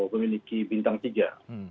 memiliki bintang tiga